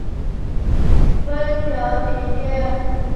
芬乔奇街。